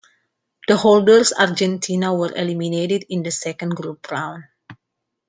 The holders Argentina were eliminated in the second group round.